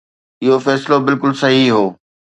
اهو فيصلو بلڪل صحيح هو.